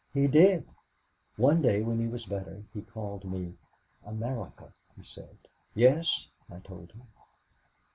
He did. "One day when he was better he called me. 'America?' he said. "'Yes,' I told him.